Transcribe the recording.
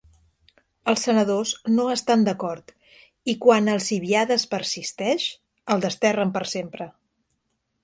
Els senadors no estan d'acord i, quan Alcibiades persisteix, el desterren per sempre.